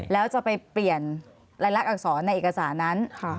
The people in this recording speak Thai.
แล้วจะไปเปลี่ยนรายลักษณอักษรในเอกสารนั้น